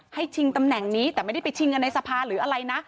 ชิงตำแหน่งนี้แต่ไม่ได้ไปชิงกันในสภาหรืออะไรนะ